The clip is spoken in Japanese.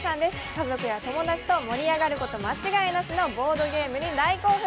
家族や友達と盛り上がること間違いなしのボードゲームに大興奮。